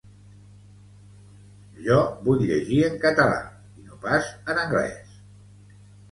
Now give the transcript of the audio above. Jo vull llegir en català i no pas en anglès